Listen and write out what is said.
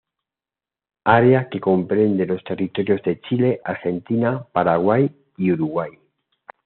Área que comprende los territorios de Chile, Argentina, Paraguay, y Uruguay.